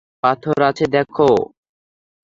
পাথর আছে দেখো।